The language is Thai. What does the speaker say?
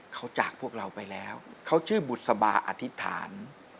เขาจากพวกเราไปแล้วเขาชื่อบุษบาอธิษฐาน